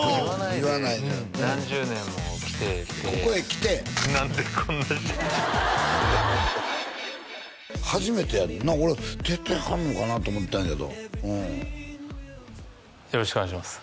言わないで何十年もきてて初めてやんな俺出てはるのかなと思ったんやけどよろしくお願いします